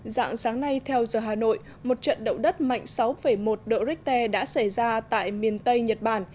dạng sáng nay theo giờ hà nội một trận đậu đất mạnh sáu một độ richter đã xảy ra tại miền tây nhật bản